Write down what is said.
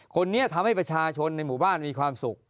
คนนี้ทำให้ประชาชนในหมู่บ้านมีความสุข